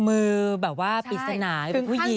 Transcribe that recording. มือแบบว่าปริศนาเป็นผู้หญิง